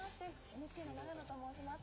ＮＨＫの長野と申します。